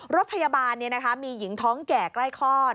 รถพยาบาลมีหญิงท้องแก่ใกล้คลอด